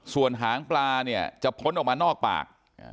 ส่วนหางปลาเนี่ยจะพ้นออกมานอกปาก